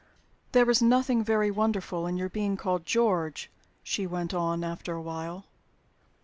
"There is nothing very wonderful in your being called 'George,'" she went on, after a while.